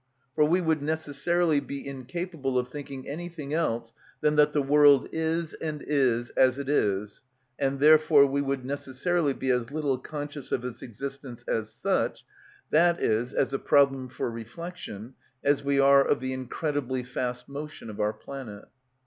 For we would necessarily be incapable of thinking anything else than that the world is, and is, as it is; and therefore we would necessarily be as little conscious of its existence as such, i.e., as a problem for reflection, as we are of the incredibly fast motion of our planet.